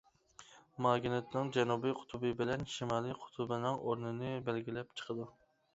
ماگنىتنىڭ جەنۇبى قۇتۇبى بىلەن شىمالىي قۇتۇبىنىڭ ئورنىنى بەلگىلەپ چىقىدۇ.